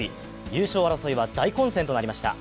優勝争いは大混戦となりました。